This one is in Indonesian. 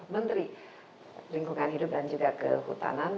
menteri lingkungan hidup dan juga kehutanan